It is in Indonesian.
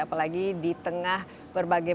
apalagi di tengah berbagai